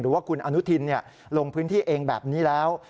ว่าคุณอนุทินลงพื้นที่เองแบบนี้แล้ว